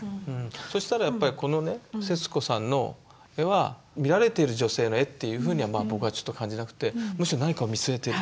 そしたらやっぱりこのね節子さんの絵は見られてる女性の絵っていうふうには僕はちょっと感じなくてむしろ何かを見据えてるっていう。